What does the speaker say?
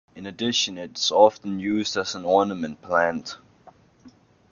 In addition, it is often used as an ornamental plant.